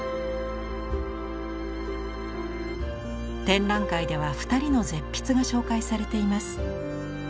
展覧会では二人の絶筆が紹介されています。